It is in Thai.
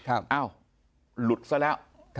อ้าวหลุดซะแล้ว